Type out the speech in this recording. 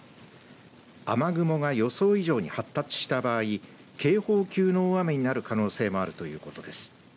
雨雲が予想以上に発達した場合警報級の大雨になる可能性もあるということです。